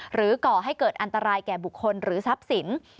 ก่อให้เกิดอันตรายแก่บุคคลหรือทรัพย์สิน